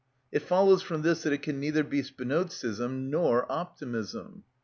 It follows from this that it can neither be Spinozism nor optimism.